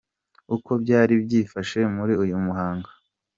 Uko byari byifashe muri uyu muhango.